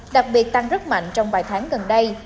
đặc biệt tăng rất mạnh trong vài tháng gần đây